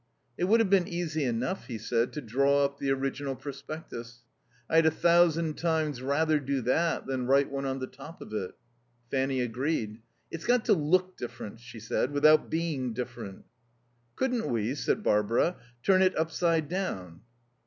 "It would have been easy enough," he said, "to draw up the original prospectus. I'd a thousand times rather do that than write one on the top of it." Fanny agreed. "It's got to look different," she said, "without being different." "Couldn't we," said Barbara, "turn it upside down?"